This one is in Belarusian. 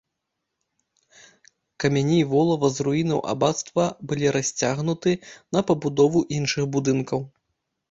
Камяні і волава з руінаў абацтва былі расцягнуты на пабудову іншых будынкаў.